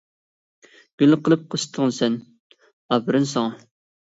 گۈل قىلىپ قىستىڭ سەن، ئاپىرىن ساڭا!